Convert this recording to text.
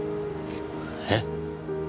えっ？